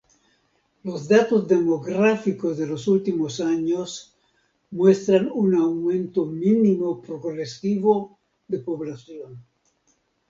Los datos demográficos de los últimos años muestran un aumento mínimo progresivo de población.